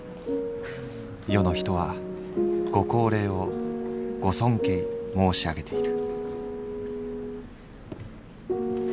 世の人は御高齢を御尊敬申しあげている」。